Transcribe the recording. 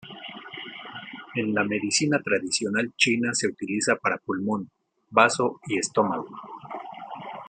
En la Medicina tradicional china se utiliza para pulmón, bazo y estómago.